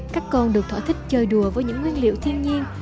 các con được thỏa thích chơi đùa với những nguyên liệu thiên nhiên